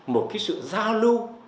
một cái sự giao lưu